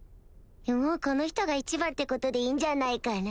もうこの人が一番ってことでいいんじゃないかな